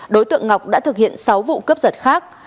đối tượng ngọc đã thực hiện sáu vụ cướp giật khác